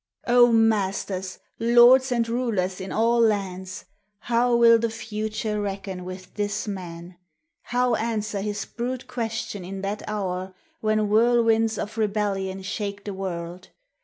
O masters, lords and rulers in all lands, How will the Future reckon with this Man ? How answer his brute question in that hour When whirlwinds of rebellion shake the world